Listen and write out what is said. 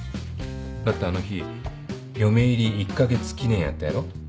だってあの日嫁入り１カ月記念やったやろ？